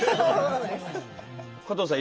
加藤さん